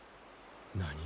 何！？